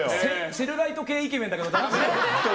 セルライト系イケメンじゃダメ？